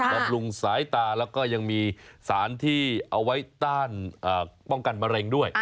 บำรุงสายตาแล้วก็ยังมีสารที่เอาไว้ต้านป้องกันมะเร็งด้วย